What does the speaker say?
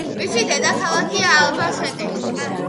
მისი დედაქალაქია ალბასეტე.